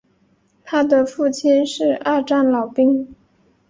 他的父亲是二战老兵。